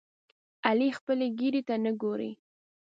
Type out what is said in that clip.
علي خپلې ګیرې ته نه ګوري.